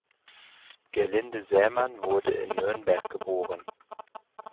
Gerlinde Sämann wurde in Nürnberg geboren.